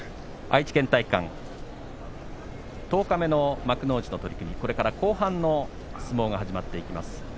愛知県体育館、十日目の幕内の取組、これから後半の相撲が始まっていきます。